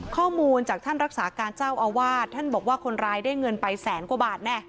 ข้อมูลจากท่านรักษาการเจ้าอาวาสท่านบอกว่าคนร้ายได้เงินไปแสนกว่าบาทแน่